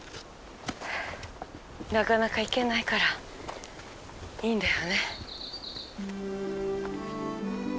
なかなか行けないからいいんだよね。